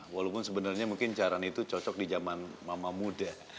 walaupun sebenarnya mungkin caran itu cocok di zaman mama muda